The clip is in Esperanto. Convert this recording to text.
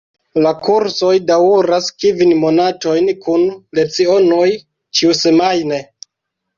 La kursoj daŭras kvin monatojn kun lecionoj ĉiusemajne.